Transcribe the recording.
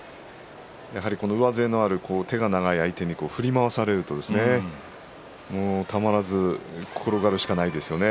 やはり、上背のある手が長い相手に振り回されるとたまらず転がるしかないですね。